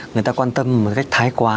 người ta quan tâm một cách thái quá